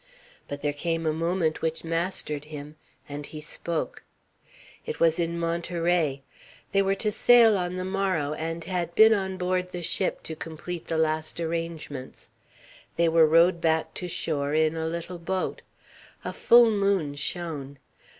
But there came a moment which mastered him, and he spoke. It was in Monterey. They were to sail on the morrow; and had been on board the ship to complete the last arrangements. They were rowed back to shore in a little boat. A full moon shone.